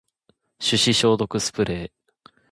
手指消毒スプレー